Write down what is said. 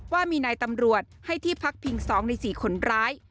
ว่ามีนายตำรวจให้ที่พักพิง๒ใน๔คนร้าย